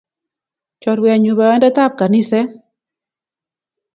chorwenyu boyondetab kaniset